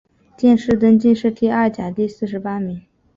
殿试登进士第二甲第四十八名。